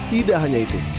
tidak hanya itu